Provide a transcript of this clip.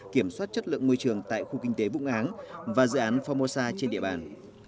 kiểm soát chất lượng môi trường tại khu kinh tế vũng áng và dự án formosa trên địa bàn